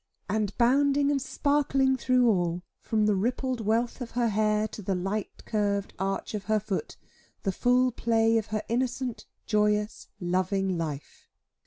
And bounding and sparkling through all, from the rippled wealth of her hair to the light curved arch of her foot, the full play of her innocent, joyous, loving life.